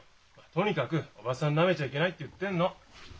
とにかくおばさんなめちゃいけないって言ってんの。